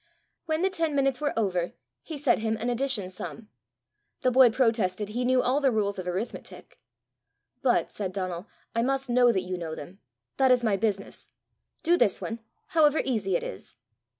When the ten minutes were over, he set him an addition sum. The boy protested he knew all the rules of arithmetic. "But," said Donal, "I must know that you know them; that is my business. Do this one, however easy it is."